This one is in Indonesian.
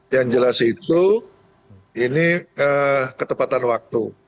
yang jelas itu ini ketepatan waktu